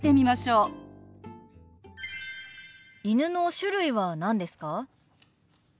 犬の種類は何ですか？